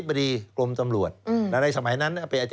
สวัสดีครับคุณผู้ชมค่ะต้อนรับเข้าที่วิทยาลัยศาสตร์